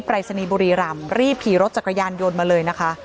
รายศนีย์บุรีรำรีบขี่รถจักรยานยนต์มาเลยนะคะ